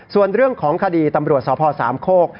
ส่วนเรื่องของคดีตำรวจสพสามโคก